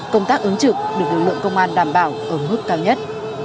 công tác ứng trực được lực lượng công an đảm bảo ở mức cao nhất